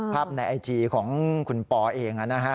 ภาพในไอจีของคุณปอเองนะฮะ